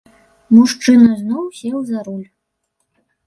Мужчына зноў сеў за руль.